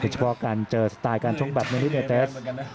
เฉพาะการเจอสไตล์การช่วงบัดในเอกตะวัน